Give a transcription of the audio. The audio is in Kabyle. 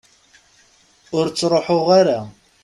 Ur ttruḥuɣ ara.